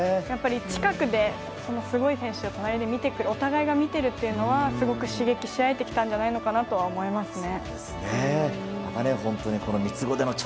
近くですごい選手をお互いが見ているというのはすごく刺激し合えて来たのだと思いますね。